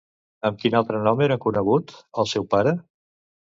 Amb quin altre nom era conegut, el seu pare?